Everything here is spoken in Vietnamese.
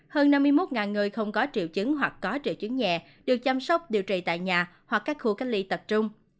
hơn năm mươi một người không có triệu chứng hoặc có triệu chứng nhẹ được chăm sóc điều trị tại nhà hoặc các khu cách ly tập trung